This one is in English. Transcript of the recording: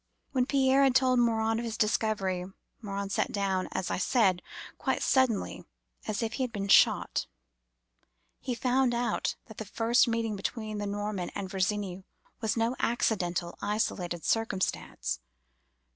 "When Pierre had told Morin of his discovery, Morin sat down, as I said, quite suddenly, as if he had been shot. He found out that the first meeting between the Norman and Virginie was no accidental, isolated circumstance.